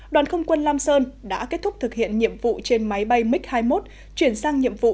đoàn không quân lam sơn đã kết thúc thực hiện nhiệm vụ trên máy bay mig hai mươi một chuyển sang nhiệm vụ